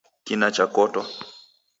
Kina chakotwa